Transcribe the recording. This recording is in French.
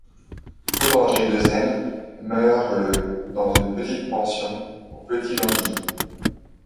Claude André Deseine meurt le dans une petite pension, au Petit-Gentilly.